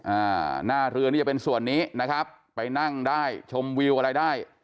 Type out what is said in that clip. อ่าหน้าเรือนี่จะเป็นส่วนนี้นะครับไปนั่งได้ชมวิวอะไรได้